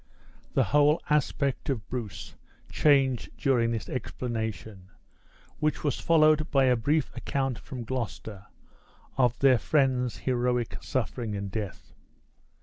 The whole aspect of Bruce changed during this explanation, which was followed by a brief account from Gloucester of their friend's heroic suffering and death.